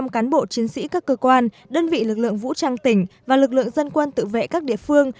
một trăm linh cán bộ chiến sĩ các cơ quan đơn vị lực lượng vũ trang tỉnh và lực lượng dân quân tự vệ các địa phương